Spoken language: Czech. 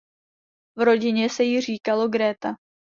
V rodině se jí říkalo Greta.